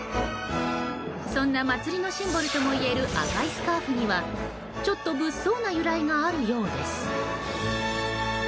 そんな祭りのシンボルともいえる赤いスカーフにはちょっと物騒な由来があるようです。